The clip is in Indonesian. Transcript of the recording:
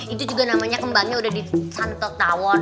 itu juga namanya kembangnya udah dicantot tahun